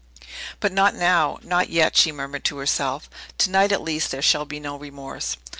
"But not now; not yet," she murmured to herself. "To night, at least, there shall be no remorse!"